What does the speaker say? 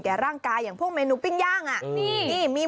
แก่ร่างกายอย่างผู้เมนูปิ้งย่างอ่ะนี่มี๕